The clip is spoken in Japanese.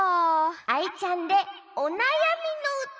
アイちゃんで「おなやみのうた」！